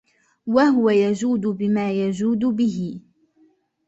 وَهُوَ يَجُودُ بِمَا يَجُودُ بِهِ